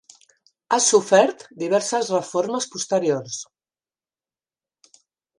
Ha sofert diverses reformes posteriors.